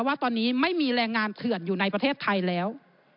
ว่าตอนนี้ไม่มีแรงงานเถื่อนอยู่ในประเทศไทยแล้ว